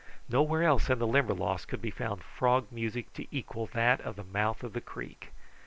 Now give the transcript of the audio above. Nowhere else in the Limberlost could be found frog music to equal that of the mouth of the creek.